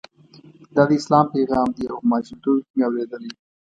دا د اسلام پیغام دی او په ماشومتوب کې مې اورېدلی.